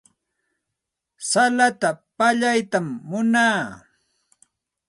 Salata pallaytam munaa.